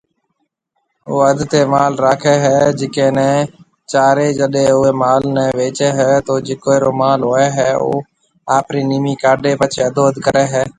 او اڌ تيَ مال راکيَ ھيََََ جڪيَ نيَ چارَي جڏَي اوئيَ مال نيَ وچيَ ھيََََ تو جڪيَ رو مال ھوئيَ ھيََََ او آپرِي نيمي ڪاڊَي پڇيَ اڌو اڌ ڪرَي ھيَََ